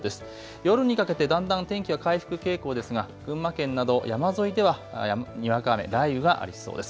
夜にかけてだんだん天気は回復傾向ですが群馬県など山沿いではにわか雨、雷雨がありそうです。